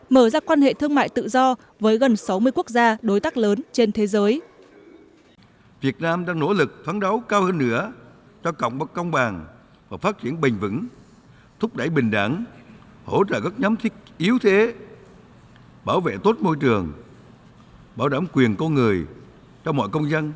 mở ra quan hệ thương mại tự do với gần sáu mươi quốc gia đối tác lớn trên thế giới